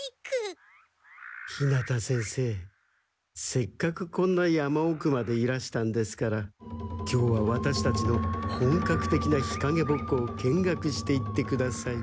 せっかくこんな山おくまでいらしたんですから今日はワタシたちの本格的な日陰ぼっこを見学していってください。